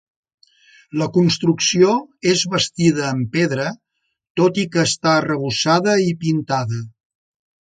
La construcció és bastida en pedra, tot i que està arrebossada i pintada.